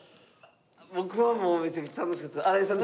僕はもうめちゃくちゃ楽しいです。